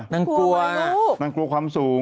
นั่นกลัวนั่งกลัว